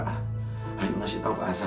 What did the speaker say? ayo masih tahu pak hasan